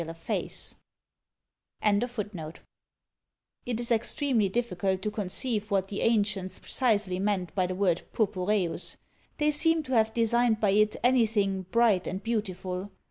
It is extremely difficult to conceive what the ancients precisely meant by the word purpureus. They seem to have designed by it anything BRIGHT and BEAUTIFUL.